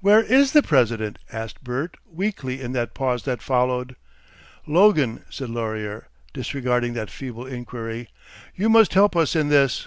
"Where is the President?" asked Bert weakly in that pause that followed. "Logan," said Laurier, disregarding that feeble inquiry, "you must help us in this."